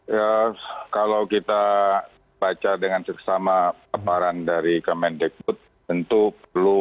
ya kalau kita baca dengan sesama keparan dari kemendikbud tentu perlu ada beban